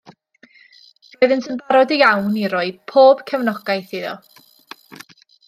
Roeddynt yn barod iawn i roi pob cefnogaeth iddo.